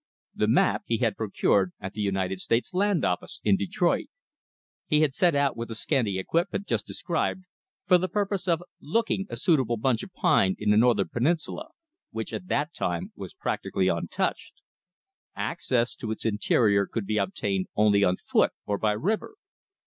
The map he had procured at the United States Land Office in Detroit. He had set out with the scanty equipment just described for the purpose of "looking" a suitable bunch of pine in the northern peninsula, which, at that time, was practically untouched. Access to its interior could be obtained only on foot or by river.